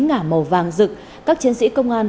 ngả màu vàng rực các chiến sĩ công an